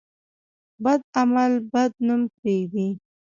بد عمل بد نوم پرېږدي.